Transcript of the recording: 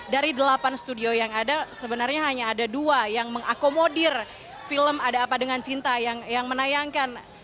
dari delapan studio yang ada sebenarnya hanya ada dua yang mengakomodir film ada apa dengan cinta yang menayangkan